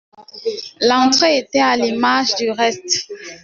L’entrée était à l’image du reste.